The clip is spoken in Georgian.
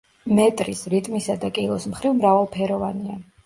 მეტრის, რიტმისა და კილოს მხრივ მრავალფეროვანია.